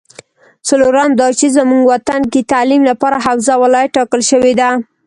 څلورم دا چې زمونږ وطن کې تعلیم لپاره حوزه ولایت ټاکل شوې ده